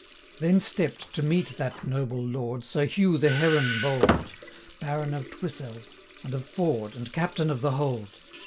Then stepp'd, to meet that noble Lord, Sir Hugh the Heron bold, Baron of Twisell, and of Ford, And Captain of the Hold.